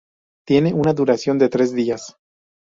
Tiene una duración de tres días.